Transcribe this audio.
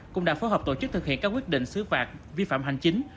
cũng đã phối hợp tổ chức thực hiện các quyết định xứ phạt vi phạm hành chính